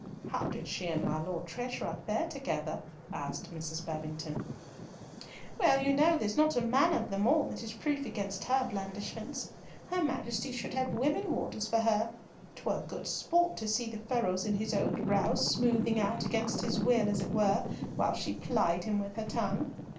"How did she and my Lord Treasurer fare together?" asked Mrs. Babington. "Well, you know there's not a man of them all that is proof against her blandishments. Her Majesty should have women warders for her. 'Twas good sport to see the furrows in his old brow smoothing out against his will as it were, while she plied him with her tongue.